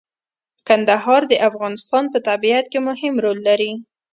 کندهار د افغانستان په طبیعت کې مهم رول لري.